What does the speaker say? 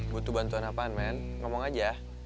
butuh bantuan apaan men ngomong aja